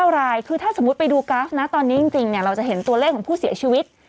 รายคือถ้าสมมุติไปดูก๊าซนะตอนนี้จริงเราจะเห็นตัวเลขของผู้เสียชีวิต